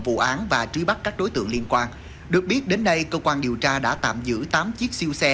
vụ án và truy bắt các đối tượng liên quan được biết đến nay cơ quan điều tra đã tạm giữ tám chiếc siêu xe